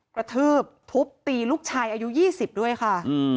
กระทืบทุบตีลูกชายอายุ๒๐ด้วยค่ะ